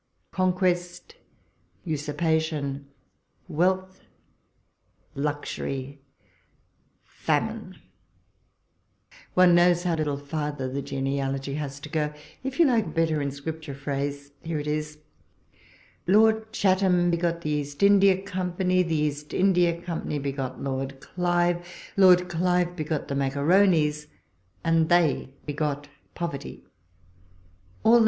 " Conquest, usur)iation, wealth, luxury, famine — one knows how little farther the genealogy has to go. If you like it better in Scripture phrase, here it is : Lord Chatham begot the East India Company ; the East India Company begot Lord Clive ; Lord Clive ))egot the Maccaronis, and they begot poverty ; all the WaLPOLe's letters.